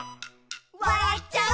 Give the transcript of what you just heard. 「わらっちゃう」